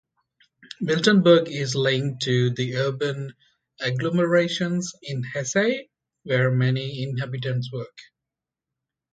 Miltenberg is linked to the urban agglomerations in Hesse, where many inhabitants work.